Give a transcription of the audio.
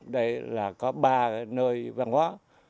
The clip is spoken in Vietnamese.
đây là có ba nơi văn hóa